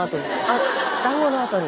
あっだんごのあとに。